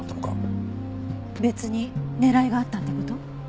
別に狙いがあったって事？